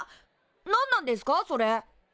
何なんですかそれ？